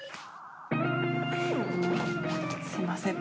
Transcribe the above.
すいません。